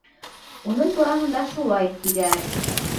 Уның тураһында шулай, тиҙәр.